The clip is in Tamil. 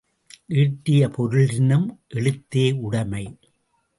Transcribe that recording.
ஈட்டிய பொருளினும் எழுத்தே உடைமை.